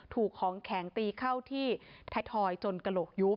ถูกของแข็งตีเข้าที่ไทยทอยจนกระโหลกยุบ